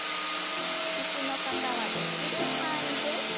椅子の方はできる範囲で。